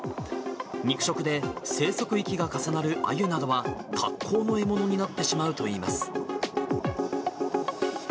肉食で生息域が重なるあゆなどは、格好の獲物になってしまうといいます。